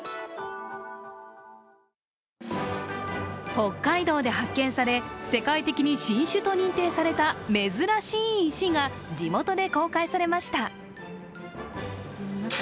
北海道で発見され、世界的に新種と認定された珍しい石が地元で公開されました。